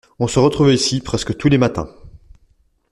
On se retrouvait ici, presque tous les matins.